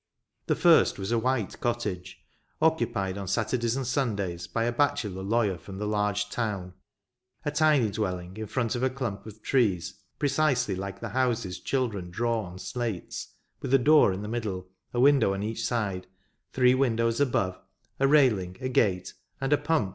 The first was a white cottage, occu pied on Saturdays and Sundays by a bachelor lawyer from the large town ; a tiny dwelling in front of a clump of trees, precisely like the houses children draw on slates, with a door in the middle, a window on each side, three windows above, a railing, a gate, and a pump 4 ^^m^^^^mg^immfm^^ii'^^^^^ms^^csa^mm^wsn^ RiVERTON.